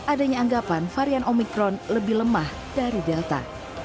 adanya anggapan varian omikron lebih lemah dari delta